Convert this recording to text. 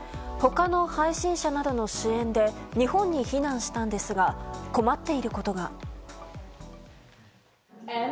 他の配信者などの支援で日本に避難したんですが困っていることが。